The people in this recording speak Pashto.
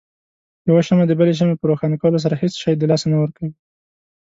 يوه شمعه دبلې شمعې په روښانه کولو سره هيڅ شی د لاسه نه ورکوي.